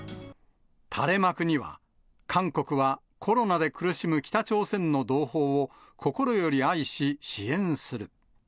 垂れ幕には、韓国はコロナで苦しむ北朝鮮の同胞を心より愛し支援する。